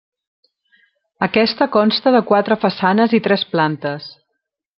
Aquesta consta de quatre façanes i tres plantes.